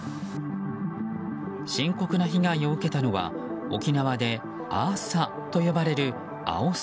深刻な被害を受けたのは沖縄でアーサと呼ばれるアオサ。